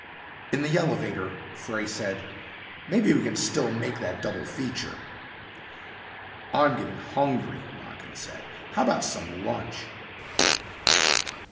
In the elevator Frey said, "Maybe we can still make that double feature." "I'm getting hungry," Mogin said. "How about some lunch?"